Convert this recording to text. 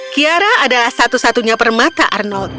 kiara adalah satu satunya permata arnold